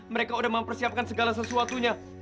mereka sudah mempersiapkan segala sesuatunya